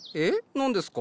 何ですか？